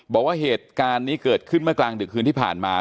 บอกว่าเหตุการณ์นี้เกิดขึ้นเมื่อกลางดึกคืนที่ผ่านมา